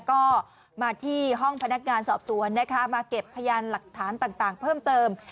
ก็มาที่ห้องพนักงานสอบสวนนะคะมาเก็บพยานหลักฐานต่างเพิ่มเติม